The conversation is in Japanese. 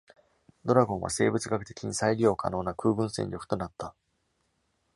ドラゴンは生物学的に再利用可能な空軍戦力となった。